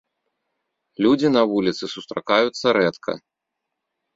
Людзі на вуліцы сустракаюцца рэдка.